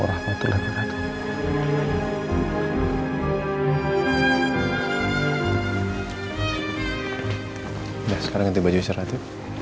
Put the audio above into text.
udah sekarang ganti baju istirahat yuk